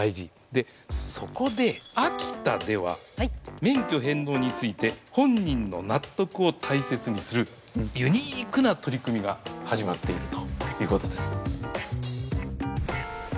でそこで秋田では免許返納について本人の納得を大切にするユニークな取り組みが始まっているということです。